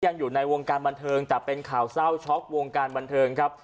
ยังอยู่ในวงการบันเทิงแต่เป็นข่าวเศร้าช็อกวงการบันเทิงครับ